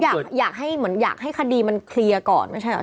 เขาอยากให้คดีมันเคลียร์ก่อนไม่ใช่เหรอ